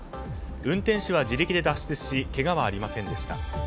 運転手は自力で脱出しけがはありませんでした。